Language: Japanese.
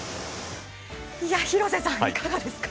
廣瀬さん、いかがですか？